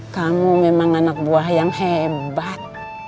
kamu memang anak buah yang hebat